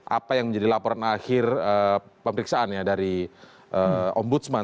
apa yang menjadi laporan akhir pemeriksaan ya dari ombudsman